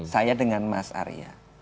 saya dengan mas arya